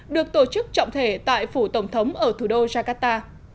được tổ chức trọng thể tại phủ tổng thống ở thủ đô jakarta